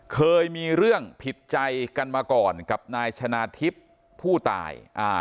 เคยมีเรื่องผิดใจกันมาก่อนกับนายชนะทิพย์ผู้ตาย